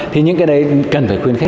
thì những cái đấy cần phải khuyên khách